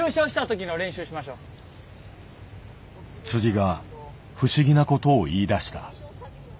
が不思議なことを言いだした。